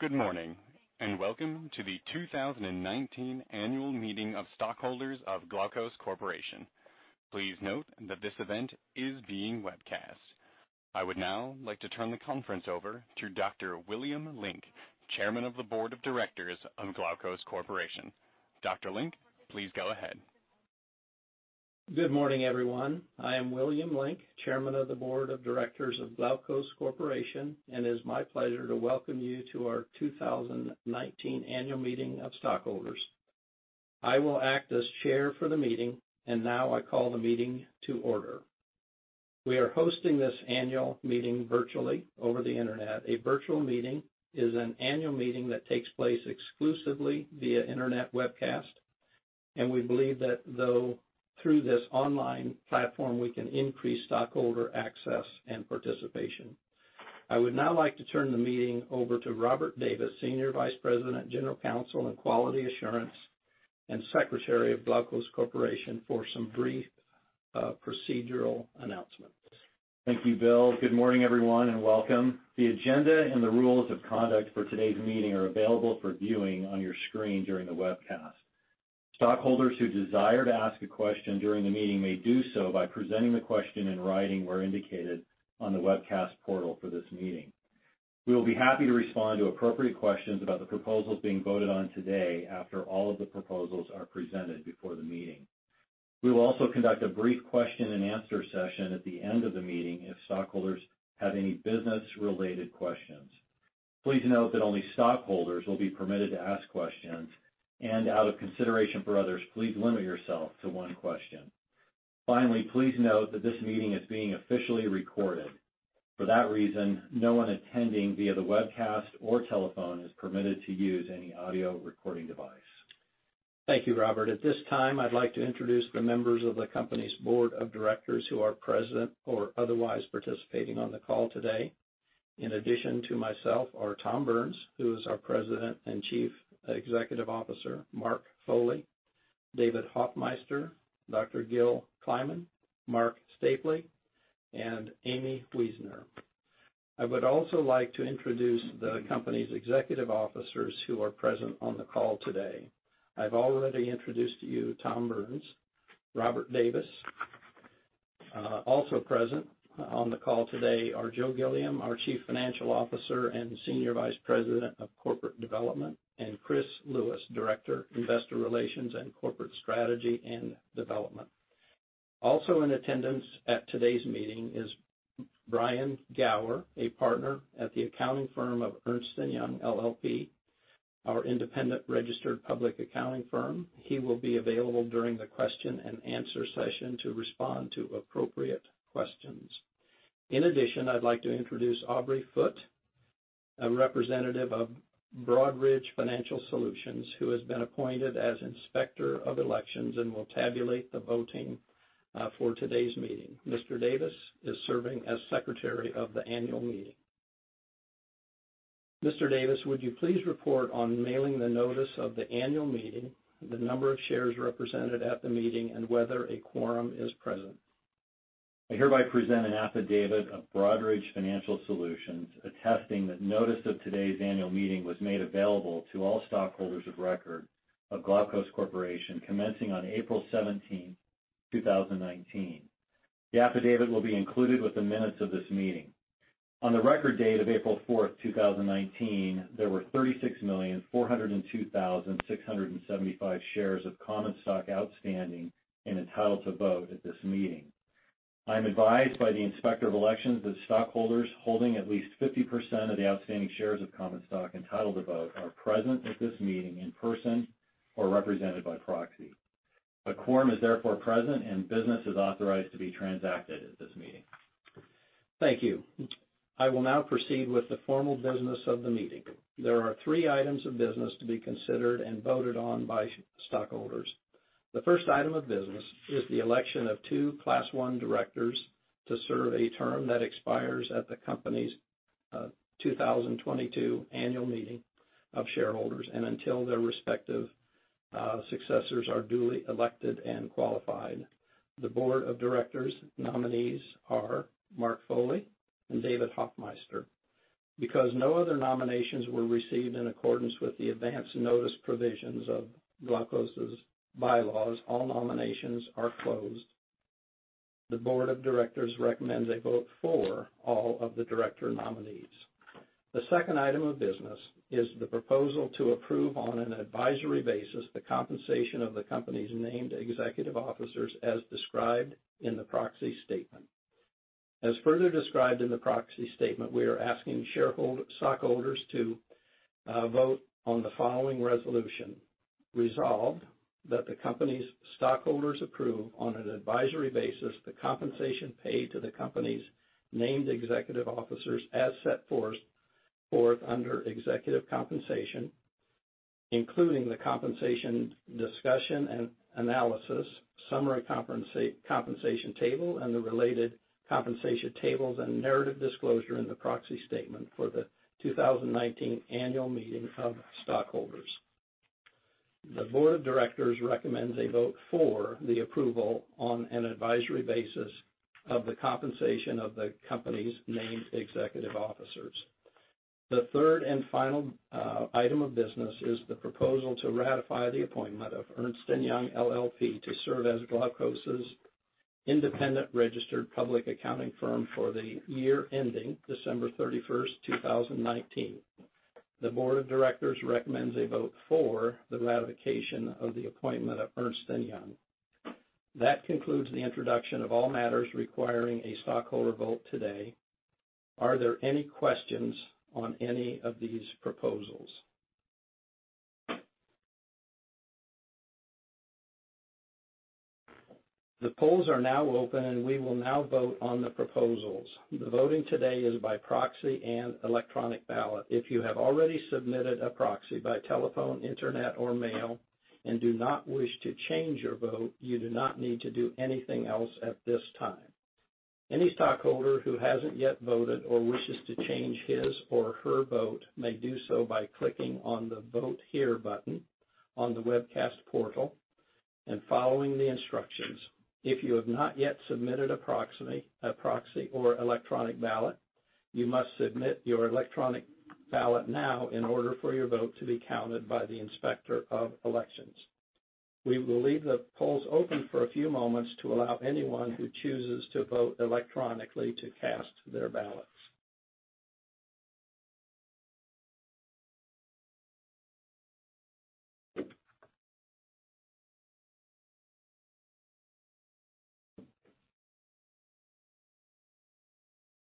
Good morning, and welcome to the 2019 annual meeting of stockholders of Glaukos Corporation. Please note that this event is being webcast. I would now like to turn the conference over to Dr. William Link, Chairman of the Board of Directors of Glaukos Corporation. Dr. Link, please go ahead. Good morning, everyone. I am William Link, Chairman of the Board of Directors of Glaukos Corporation, and it is my pleasure to welcome you to our 2019 annual meeting of stockholders. I will act as chair for the meeting, and now I call the meeting to order. We are hosting this annual meeting virtually over the internet. A virtual meeting is an annual meeting that takes place exclusively via internet webcast, and we believe that through this online platform, we can increase stockholder access and participation. I would now like to turn the meeting over to Robert Davis, Senior Vice President, General Counsel and Quality Assurance, and Secretary of Glaukos Corporation, for some brief procedural announcements. Thank you, Bill. Good morning, everyone, and welcome. The agenda and the rules of conduct for today's meeting are available for viewing on your screen during the webcast. Stockholders who desire to ask a question during the meeting may do so by presenting the question in writing where indicated on the webcast portal for this meeting. We'll be happy to respond to appropriate questions about the proposals being voted on today after all of the proposals are presented before the meeting. We will also conduct a brief question and answer session at the end of the meeting if stockholders have any business-related questions. Please note that only stockholders will be permitted to ask questions, and out of consideration for others, please limit yourself to one question. Finally, please note that this meeting is being officially recorded. For that reason, no one attending via the webcast or telephone is permitted to use any audio recording device. Thank you, Robert. At this time, I'd like to introduce the members of the company's Board of Directors who are present or otherwise participating on the call today. In addition to myself are Tom Burns, who is our President and Chief Executive Officer, Mark Foley, David Hoffmeister, Dr. Gil Kliman, Marc Stapley, and Aimee Weisner. I would also like to introduce the company's executive officers who are present on the call today. I've already introduced to you Tom Burns, Robert Davis. Also present on the call today are Joe Gilliam, our Chief Financial Officer and Senior Vice President of Corporate Development, and Chris Lewis, Director, Investor Relations and Corporate Strategy and Development. Also in attendance at today's meeting is Brian Gower, a partner at the accounting firm of Ernst & Young LLP, our independent registered public accounting firm. He will be available during the question and answer session to respond to appropriate questions. In addition, I'd like to introduce Aubrey Foote, a representative of Broadridge Financial Solutions, who has been appointed as Inspector of Elections and will tabulate the voting for today's meeting. Mr. Davis is serving as Secretary of the Annual Meeting. Mr. Davis, would you please report on mailing the notice of the Annual Meeting, the number of shares represented at the meeting, and whether a quorum is present? I hereby present an affidavit of Broadridge Financial Solutions attesting that notice of today's Annual Meeting was made available to all stockholders of record of Glaukos Corporation commencing on April 17th, 2019. The affidavit will be included with the minutes of this meeting. On the record date of April 4th, 2019, there were 36,402,675 shares of common stock outstanding and entitled to vote at this meeting. I'm advised by the Inspector of Elections that stockholders holding at least 50% of the outstanding shares of common stock entitled to vote are present at this meeting in person or represented by proxy. A quorum is therefore present and business is authorized to be transacted at this meeting. Thank you. I will now proceed with the formal business of the meeting. There are three items of business to be considered and voted on by stockholders. The first item of business is the election of two class 1 directors to serve a term that expires at the company's 2022 Annual Meeting of Shareholders and until their respective successors are duly elected and qualified. The Board of Directors' nominees are Mark Foley and David Hoffmeister. Because no other nominations were received in accordance with the advance notice provisions of Glaukos' bylaws, all nominations are closed. The Board of Directors recommend they vote for all of the director nominees. The second item of business is the proposal to approve, on an advisory basis, the compensation of the company's named executive officers as described in the proxy statement. As further described in the proxy statement, we are asking stockholders to vote on the following resolution. Resolved that the company's stockholders approve, on an advisory basis, the compensation paid to the company's named executive officers as set forth under executive compensation, including the compensation discussion and analysis, summary compensation table, and the related compensation tables and narrative disclosure in the proxy statement for the 2019 annual meeting of stockholders. The board of directors recommends a vote for the approval on an advisory basis of the compensation of the company's named executive officers. The third and final item of business is the proposal to ratify the appointment of Ernst & Young LLP to serve as Glaukos' independent registered public accounting firm for the year ending December 31, 2019. The board of directors recommends a vote for the ratification of the appointment of Ernst & Young. That concludes the introduction of all matters requiring a stockholder vote today. Are there any questions on any of these proposals? The polls are now open, and we will now vote on the proposals. The voting today is by proxy and electronic ballot. If you have already submitted a proxy by telephone, internet or mail and do not wish to change your vote, you do not need to do anything else at this time. Any stockholder who hasn't yet voted or wishes to change his or her vote may do so by clicking on the Vote Here button on the webcast portal and following the instructions. If you have not yet submitted a proxy or electronic ballot, you must submit your electronic ballot now in order for your vote to be counted by the Inspector of elections. We will leave the polls open for a few moments to allow anyone who chooses to vote electronically to cast their ballots.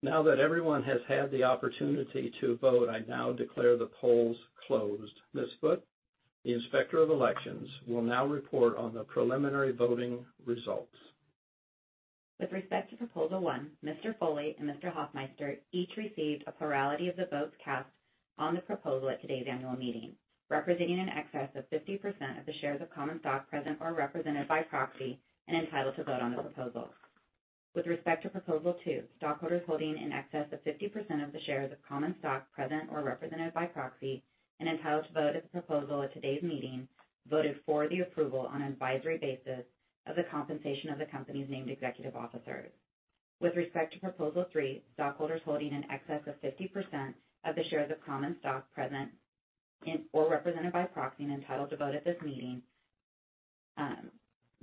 Now that everyone has had the opportunity to vote, I now declare the polls closed. Ms. Foote, the Inspector of elections, will now report on the preliminary voting results. With respect to Proposal One, Mr. Foley and Mr. Hoffmeister each received a plurality of the votes cast on the proposal at today's annual meeting, representing an excess of 50% of the shares of common stock present or represented by proxy and entitled to vote on the proposal. With respect to Proposal Two, stockholders holding in excess of 50% of the shares of common stock present or represented by proxy and entitled to vote at the proposal at today's meeting voted for the approval on an advisory basis of the compensation of the company's named executive officers. With respect to Proposal 3, stockholders holding in excess of 50% of the shares of common stock present or represented by proxy and entitled to vote at this meeting,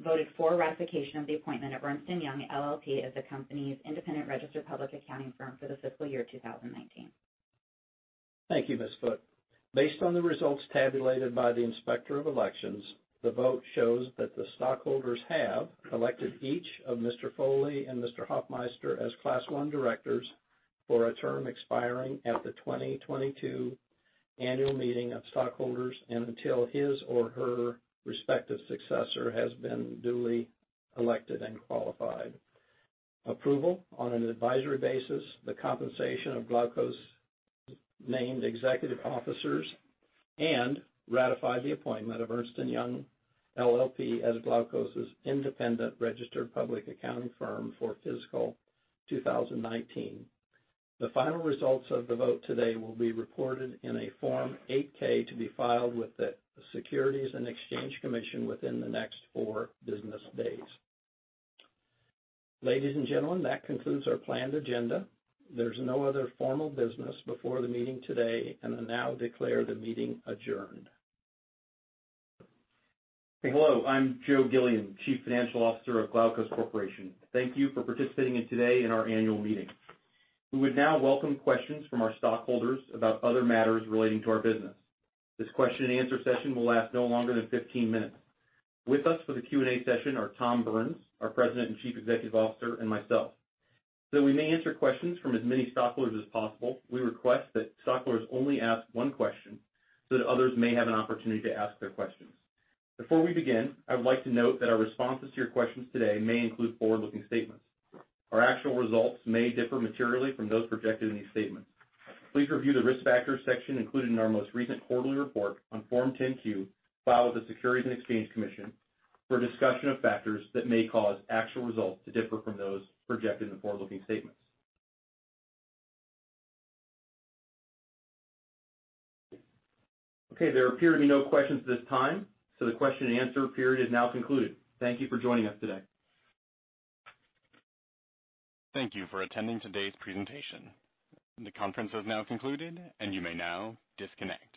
voted for ratification of the appointment of Ernst & Young LLP as the company's independent registered public accounting firm for the fiscal year 2019. Thank you, Ms. Foote. Based on the results tabulated by the Inspector of Elections, the vote shows that the stockholders have elected each of Mr. Foley and Mr. Hoffmeister as Class 1 directors for a term expiring at the 2022 annual meeting of stockholders and until his or her respective successor has been duly elected and qualified. Approval on an advisory basis, the compensation of Glaukos' named executive officers and ratified the appointment of Ernst & Young LLP as Glaukos' independent registered public accounting firm for fiscal 2019. The final results of the vote today will be reported in a Form 8-K to be filed with the Securities and Exchange Commission within the next four business days. Ladies and gentlemen, that concludes our planned agenda. There's no other formal business before the meeting today, and I now declare the meeting adjourned. Hello, I'm Joe Gilliam, Chief Financial Officer of Glaukos Corporation. Thank you for participating in today in our annual meeting. We would now welcome questions from our stockholders about other matters relating to our business. This question and answer session will last no longer than 15 minutes. With us for the Q&A session are Tom Burns, our President and Chief Executive Officer, and myself. We may answer questions from as many stockholders as possible. We request that stockholders only ask one question so that others may have an opportunity to ask their questions. Before we begin, I would like to note that our responses to your questions today may include forward-looking statements. Our actual results may differ materially from those projected in these statements. Please review the Risk Factors section included in our most recent quarterly report on Form 10-Q filed with the Securities and Exchange Commission for a discussion of factors that may cause actual results to differ from those projected in the forward-looking statements. Okay, there appear to be no questions at this time. The question and answer period is now concluded. Thank you for joining us today. Thank you for attending today's presentation. The conference has now concluded, and you may now disconnect.